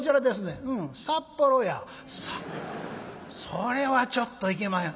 それはちょっと行けまへん」。